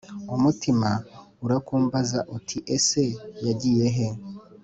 umutima urakumbaza uti ese yagiyehe